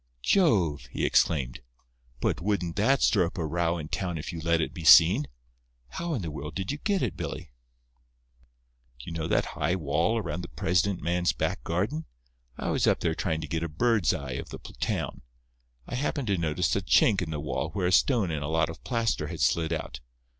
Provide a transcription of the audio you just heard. "Jove!" he exclaimed, "but wouldn't that stir up a row in town if you let it be seen. How in the world did you get it, Billy?" "You know that high wall around the president man's back garden? I was up there trying to get a bird's eye of the town. I happened to notice a chink in the wall where a stone and a lot of plaster had slid out.